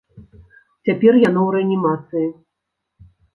Цяпер яно ў рэанімацыі.